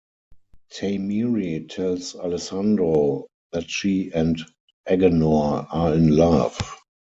Tamiri tells Alessandro that she and Agenore are in love.